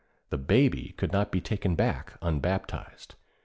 The Baby could not be taken back unbaptized.